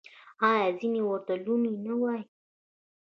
آیا ځینې ورته لوني نه وايي؟